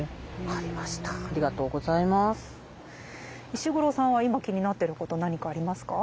石黒さんは今気になってること何かありますか？